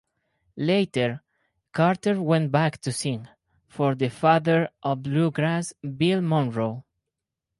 Later, Carter went back to sing for the "Father of Bluegrass", Bill Monroe.